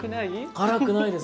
辛くないです。